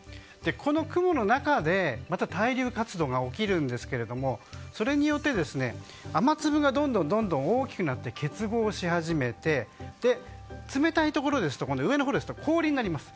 この雲の中で対流活動が起きるんですけれどもそれによって、雨粒がどんどんと大きくなって結合し始めて冷たいところですと氷になります。